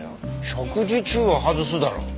食事中は外すだろ。